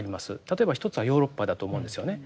例えば一つはヨーロッパだと思うんですよね。